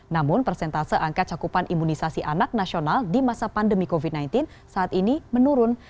namun persentase angka cakupan imunisasi anak nasional di masa pandemi covid sembilan belas saat ini menurun